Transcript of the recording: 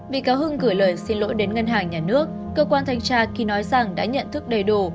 bị cáo hưng gửi lời xin lỗi đến ngân hàng nhà nước cơ quan thanh tra khi nói rằng đã nhận thức đầy đủ